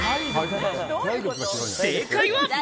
正解は。